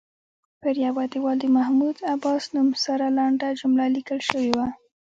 پر یوه دیوال د محمود عباس نوم سره لنډه جمله لیکل شوې وه.